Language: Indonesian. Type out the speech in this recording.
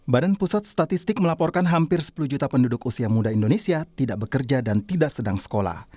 badan pusat statistik melaporkan hampir sepuluh juta penduduk usia muda indonesia tidak bekerja dan tidak sedang sekolah